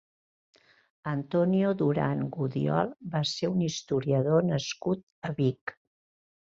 Antonio Durán Gudiol va ser un historiador nascut a Vic.